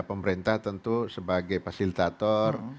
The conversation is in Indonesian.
pemerintah tentu sebagai fasilitator